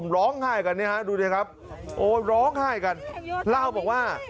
ลองไห้กันนี่ฮะดูนี่ครับโอ้ลองไห้กันราวบอกว่า